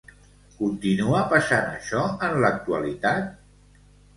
Continua passant això en l'actualitat?